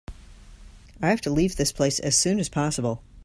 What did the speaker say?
I have to leave this place as soon as possible.